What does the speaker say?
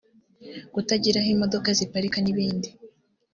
kutagira aho imodoka ziparika n'ibindi